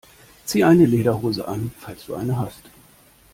Zieh eine Lederhose an, falls du eine hast!